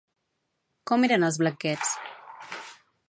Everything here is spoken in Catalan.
Com eren els banquets?